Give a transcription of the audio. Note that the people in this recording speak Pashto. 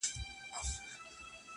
• هغه پر د ده د قام او د ټبر وو -